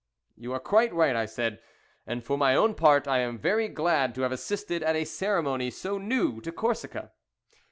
"You are quite right," I said; "and for my own part, I am very glad to have assisted at a ceremony so new to Corsica."